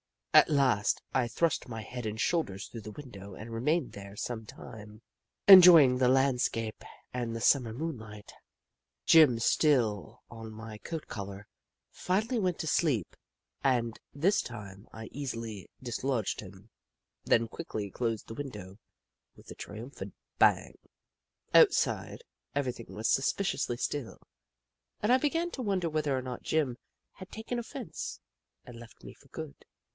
At last, I thrust my head and shoulders through the window and remained there some time, enjoying the land scape and the Summer moonlight. Jim, still on my coat collar, finally went to sleep, and I lo The Book of Clever Beasts this time I easily dislodged him, then quickly closed the window with a triumphant bang. Outside, everything was suspiciously still, and I began to wonder whether or not Jim had taken offence and left me for good.